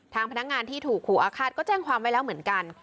พนักงานที่ถูกขู่อาฆาตก็แจ้งความไว้แล้วเหมือนกัน